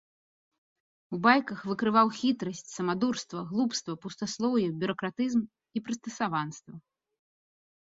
У байках выкрываў хітрасць, самадурства, глупства, пустаслоўе, бюракратызм і прыстасаванства.